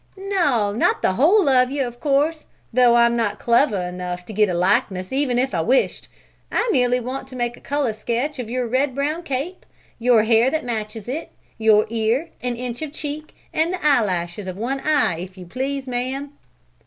"No, not the whole of you, of course, though I'm not clever enough to get a likeness even if I wished. I merely want to make a color sketch of your red brown cape, your hair that matches it, your ear, an inch of cheek, and the eyelashes of one eye, if you please, ma'am."